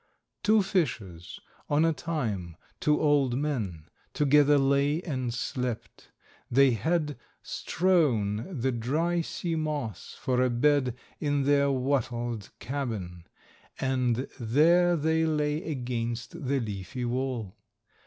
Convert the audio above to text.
"Two fishers, on a time, two old men, together lay and slept; they had strown the dry sea moss for a bed in their wattled cabin, and there they lay against the leafy wall.